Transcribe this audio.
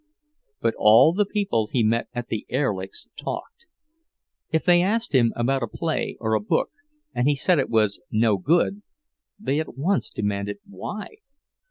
But all the people he met at the Erlichs' talked. If they asked him about a play or a book and he said it was "no good," they at once demanded why.